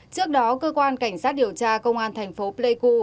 trước đó cơ quan cảnh sát điều tra công an thành phố pleiku